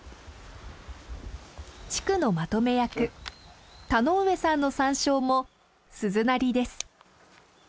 地区のまとめ役田上さんのサンショウも鈴なりです。